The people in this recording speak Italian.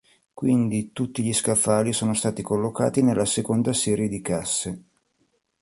Quindi tutti gli scaffali sono stati collocati nella seconda serie di casse.